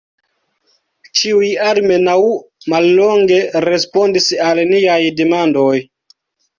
Ĉiuj almenaŭ mallonge respondis al niaj demandoj.